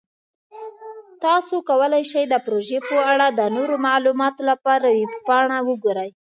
تاسو کولی شئ د پروژې په اړه د نورو معلوماتو لپاره ویب پاڼه وګورئ.